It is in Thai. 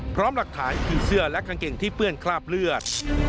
พร้อมหลักฐานคือเสื้อและกางเกงที่เปื้อนคราบเลือด